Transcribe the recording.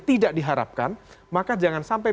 tidak diharapkan maka jangan sampai